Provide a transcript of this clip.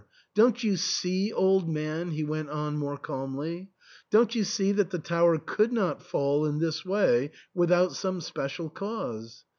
Don't you see, old man," he went on more calmly, " don't you see that the tower could not fall in this way without some spe cial cause